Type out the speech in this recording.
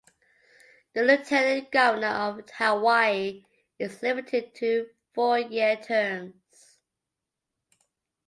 The Lieutenant Governor of Hawaii is limited to two four-year terms.